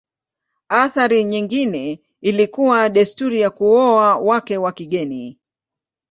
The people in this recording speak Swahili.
Athari nyingine ilikuwa desturi ya kuoa wake wa kigeni.